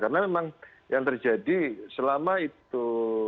karena memang yang terjadi selama itu